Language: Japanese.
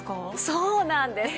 そうなんです。